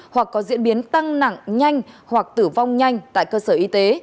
hoặc có diễn biến tăng nặng nhanh hoặc tử vong nhanh tại cơ sở y tế